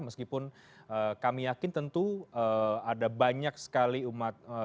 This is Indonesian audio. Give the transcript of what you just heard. meskipun kami yakin tentu ada banyak sekali umat